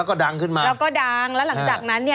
ใครคือน้องใบเตย